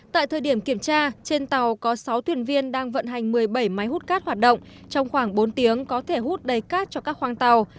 tại thời điểm kiểm tra trên tàu có sáu thuyền viên đang vận hành một mươi bảy máy hút cát hoạt động trong khoảng bốn tiếng có thể hút đầy cát cho các khoang tàu